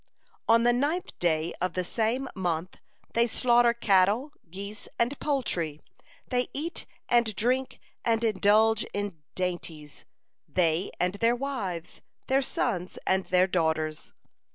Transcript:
"On the ninth day of the same month they slaughter cattle, geese, and poultry, they eat and drink and indulge in dainties, they and their wives, their sons and their daughters.